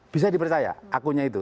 bisa dipercaya akunnya itu